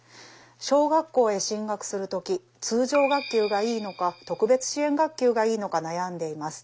「小学校へ進学する時通常学級がいいのか特別支援学級がいいのか悩んでいます。